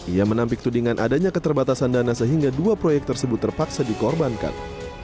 ia menampik tudingan adanya keterbatasan dana sehingga dua proyek tersebut terpaksa dikorbankan